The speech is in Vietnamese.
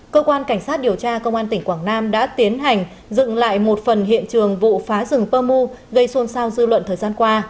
cơ quan cảnh sát điều tra công an tỉnh quảng nam đã tiến hành dựng lại một phần hiện trường vụ phá rừng pơ mu gây xôn xao dư luận thời gian qua